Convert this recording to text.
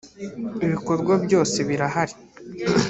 ibikorwa byose birahari.